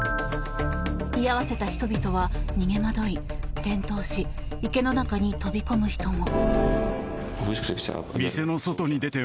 居合わせた人々は逃げ惑い、転倒し池の中に飛び込む人も。